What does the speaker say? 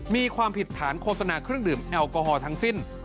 มีความผิดฐานโฆษณาเครื่องดื่มแอลกอฮอล์ทั้งสิ้น